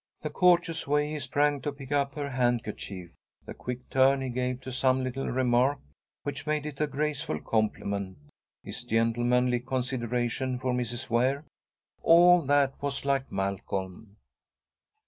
The courteous way he sprang to pick up her handkerchief, the quick turn he gave to some little remark, which made it a graceful compliment, his gentlemanly consideration for Mrs. Ware all that was like Malcolm.